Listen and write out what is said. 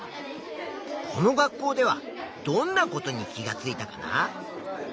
この学校ではどんなことに気がついたかな？